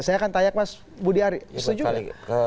saya kan tayak mas budi ari setuju nggak